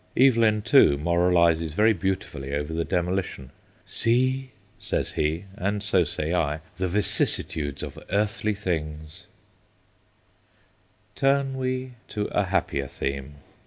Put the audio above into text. Evelyn, too, moralises very beautifully over the demolition. ' See/ says he, and so say I, ' the vicissitudes of earthly things I ' Turn we to a happier theme.